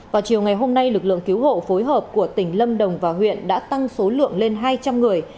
vào chiều ngày hôm nay lực lượng cứu hộ phối hợp của tỉnh lâm đồng và huyện đã tăng số lượng lên hai trăm linh người